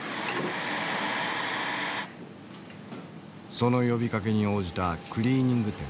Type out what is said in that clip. その呼びかけに応じたクリーニング店。